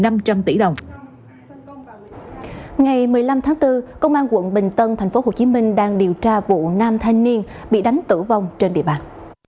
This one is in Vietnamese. ngày một mươi năm tháng bốn công an quận bình tân tp hcm đang điều tra vụ nam thanh niên bị đánh tử vong trên địa bàn